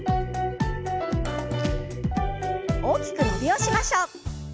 大きく伸びをしましょう。